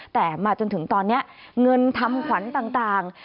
แต่มาจนถึงตอนนี้เงินทำขวัญต่าง